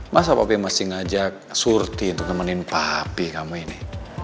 masa papi masih ngajak surti untuk nemenin papi kamu ini